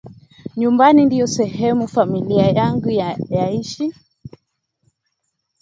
Nyumbani ndio sehemu familia yangu yaishi